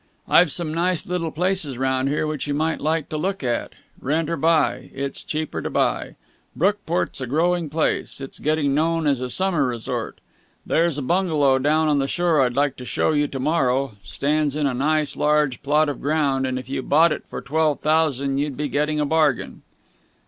I've some nice little places round here which you might like to look at. Rent or buy. It's cheaper to buy. Brookport's a growing place. It's getting known as a summer resort. There's a bungalow down on the shore I'd like to show you to morrow. Stands in a nice large plot of ground, and if you bought it for twelve thousand you'd be getting a bargain."